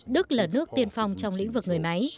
đức là nước tiên phong trong lĩnh vực người máy